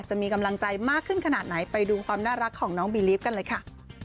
จะมีกำลังใจมากขึ้นขนาดไหนไปดูความน่ารักของน้องบีลีฟกันเลยค่ะ